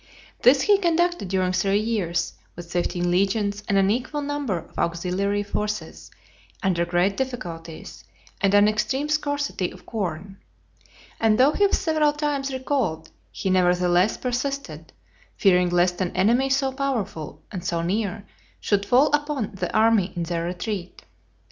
This he conducted during three years, with fifteen legions and an equal number of auxiliary forces, under great difficulties, and an extreme scarcity of corn. And though he was several times recalled, he nevertheless persisted; fearing lest an enemy so powerful, and so near, should fall upon the army in their retreat.